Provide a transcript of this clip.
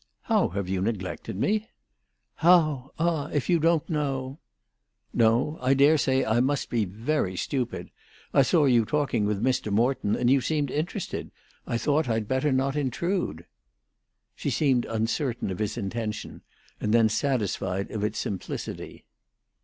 "How have you neglected me?" "How? Ah! if you don't know——" "No. I dare say I must be very stupid. I saw you talking with Mr. Morton, and you seemed interested. I thought I'd better not intrude." She seemed uncertain of his intention, and then satisfied of its simplicity.